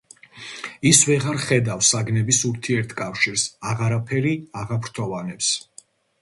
ის ვეღარ ხედავს საგნების ურთიერთკავშირს, აღარაფერი აღაფრთოვანებს.